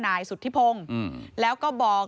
นายสุธิพงศ์แล้วก็บอก